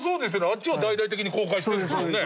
あっちは大々的に公開してるんですもんね。